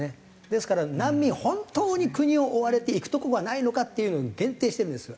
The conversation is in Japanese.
ですから難民本当に国を追われて行くとこがないのかっていうのに限定してるんですよ。